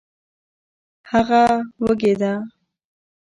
هغه وږې ده